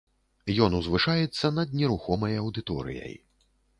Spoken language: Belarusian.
Ён узвышаецца над нерухомай аўдыторыяй.